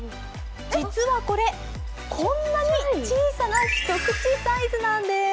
実はこれ、こんなに小さなひとくちサイズなんです。